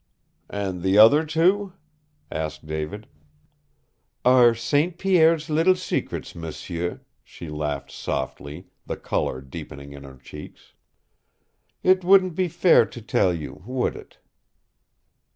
"And the other two?" asked David. "Are St. Pierre's little secrets, m'sieu," she laughed softly, the color deepening in her cheeks. "It wouldn't be fair to tell you, would it?"